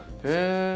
へえ！